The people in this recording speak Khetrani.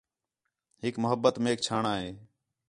ہِک محبت میک چھاݨاں ہے